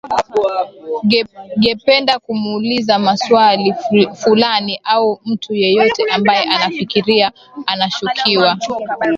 gependa kumuuliza mwaswali fulana au mtu yeyote ambaye anafikiria anashukiwa